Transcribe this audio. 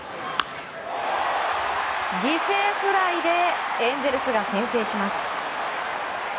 犠牲フライでエンゼルスが先制します。